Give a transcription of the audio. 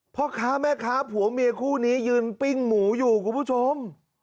พ่อค้าแม่ค้าผัวเมียคู่นี้ยืนปิ้งหมูอยู่คุณผู้ชม